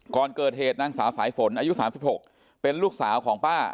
ก่อนเกิดเหตุนางสาวสายฝนอายุ๓๖เป็นลูกสาวของป้า